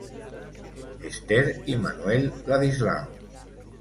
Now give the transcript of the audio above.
Esther y Manuel Ladislao.